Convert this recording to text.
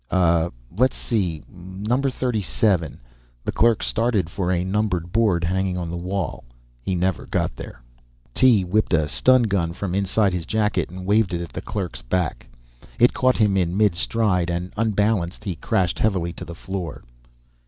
"Uh, let's see, number thirty seven." The clerk started for a numbered board hanging on the wall. He never got there. Tee whipped a stun gun from inside his jacket and waved it at the clerk's back. It caught him in mid stride, and unbalanced, he crashed heavily to the floor.